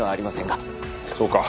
そうか。